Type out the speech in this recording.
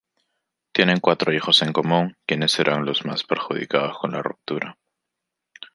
Tienen cuatro hijos en común, quienes serán los más perjudicados por la ruptura.